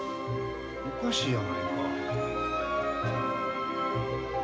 おかしいやないか。